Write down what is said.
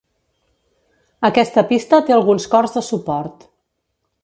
Aquesta pista té alguns cors de suport.